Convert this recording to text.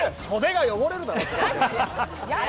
袖が汚れるだろ！